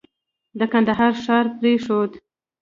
د کندهار ښار پرېښود.